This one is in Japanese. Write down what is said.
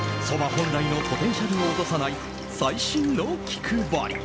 本来のポテンシャルを落とさない細心の気配り。